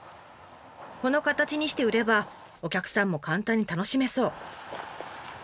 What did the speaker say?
この形にして売ればお客さんも簡単に楽しめそう。